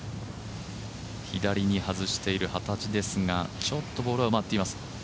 左に外している幡地ですがちょっとボールは埋まっています。